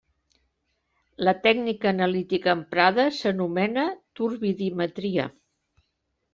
La tècnica analítica emprada s'anomena turbidimetria.